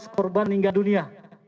dua belas korban meninggal dunia